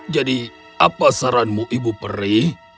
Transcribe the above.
jadi apa saranmu ibu peri